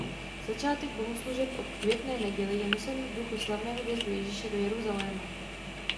Začátek bohoslužeb o Květné neděli je nesen v duchu slavného vjezdu Ježíše do Jeruzaléma.